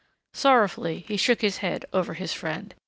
Sorrowfully he shook his head over his friend.